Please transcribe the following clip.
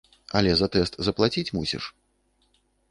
Але за тэст заплаціць мусіш.